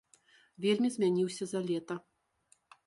Вельмі змяніўся за лета.